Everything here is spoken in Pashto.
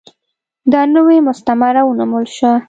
دا نوې مستعمره ونومول شوه.